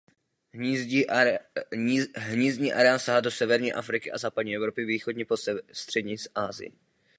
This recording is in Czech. Hnízdní areál sahá od severní Afriky a západní Evropy východně po střední Asii.